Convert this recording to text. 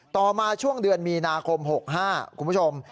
ต่อมาช่วงเดือนมีนาคม๖๕คุณผู้ชม